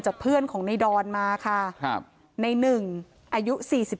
จากเพื่อนของนายดอนมาค่ะนายหนึ่งอายุ๔๔